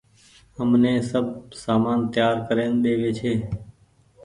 همني سب سامان تيآر ڪرين ۮيوي ڇي۔